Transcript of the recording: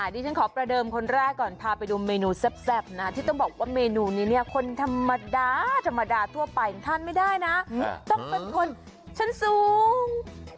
ดิฉันขอประเดิมคนแรกก่อนพาไปดูเมนูแซ่บนะที่ต้องบอกว่าเมนูนี้เนี่ยคนธรรมดาธรรมดาทั่วไปทานไม่ได้นะต้องเป็นคนชั้นสูง